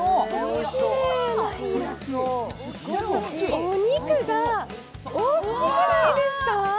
お肉が大きくないですか？